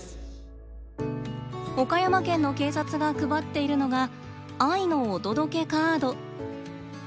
岡山県の警察が配っているのが「愛のお届けカード」。